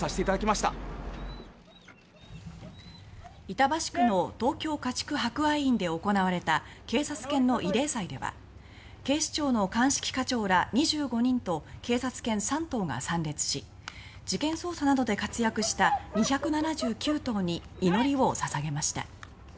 板橋区の東京家畜博愛院で開かれた警察犬の慰霊祭では警視庁の鑑識課長ら２５人と警察犬３頭が参列し事件捜査などで活躍した２７９頭に祈りを捧げました。